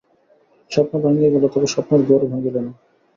স্বপ্ন ভাঙিয়া গেল, তবু স্বপ্নের ঘোর ভাঙিল না।